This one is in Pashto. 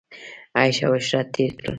عیش او عشرت تېر کړ.